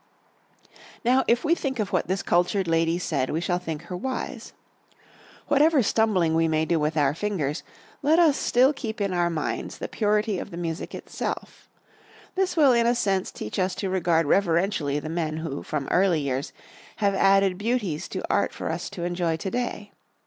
Now, if we think of what this cultured lady said, we shall think her wise. Whatever stumbling we may do with our fingers, let us still keep in our minds the purity of the music itself. This will in a sense teach us to regard reverentially the men who, from early years, have added beauties to art for us to enjoy to day.